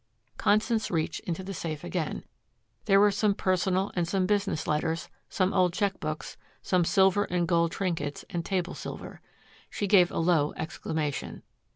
Constance reached into the safe again. There were some personal and some business letters, some old check books, some silver and gold trinkets and table silver. She gave a low exclamation.